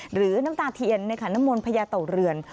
หรือน้ำตาเทียนเนี่ยค่ะน้ำมนพญาต่อเรือน